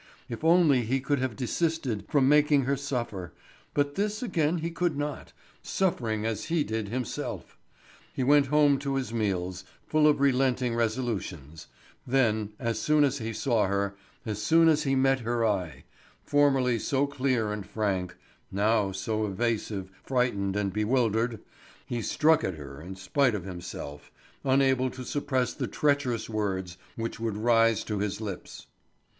If only he could have desisted from making her suffer; but this again he could not, suffering as he did himself. He went home to his meals, full of relenting resolutions; then, as soon as he saw her, as soon as he met her eye—formerly so clear and frank, now so evasive, frightened, and bewildered—he struck at her in spite of himself, unable to suppress the treacherous words which would rise to his lips.